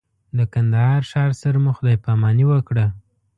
د کندهار ښار سره مو خدای پاماني وکړه.